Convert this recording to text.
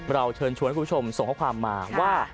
เชิญชวนให้คุณผู้ชมส่งข้อความมาว่า